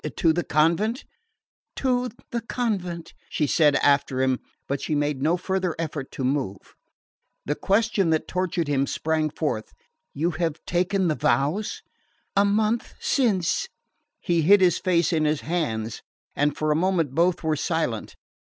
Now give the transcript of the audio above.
To the convent?" "To the convent," she said after him; but she made no farther effort to move. The question that tortured him sprang forth. "You have taken the vows?" "A month since," she answered. He hid his face in his hands and for a moment both were silent.